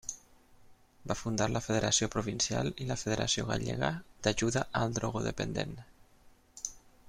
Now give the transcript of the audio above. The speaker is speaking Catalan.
Va fundar la Federació Provincial i la Federació Gallega d'Ajuda al Drogodependent.